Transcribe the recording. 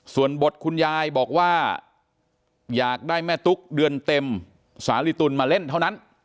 ส่วนบทคุณยายบอกว่าอยากได้แม่ตุ๊กเดือนเต็มสาลิตุลมาเล่นเท่านั้น